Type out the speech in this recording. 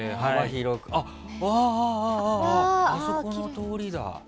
ああ、あそこの通りだ！